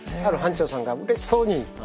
ある班長さんがうれしそうに。